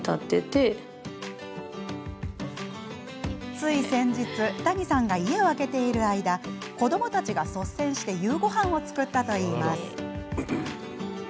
つい先日谷さんが家を空けている間子どもたちが率先して夕ごはんを作ったといいます。